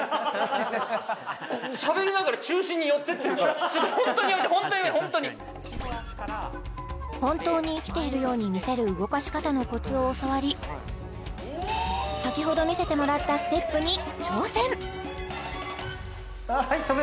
もうちょっとホントにやめてホントに本当に生きているように見せる動かし方のコツを教わり先ほど見せてもらったステップに挑戦はい跳ぶ！